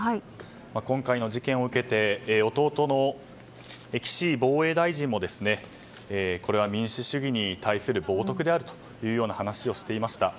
今回の事件を受けて弟の岸防衛大臣もこれは民主主義に対する冒涜であると話をしていました。